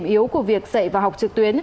yếu của việc dạy và học trực tuyến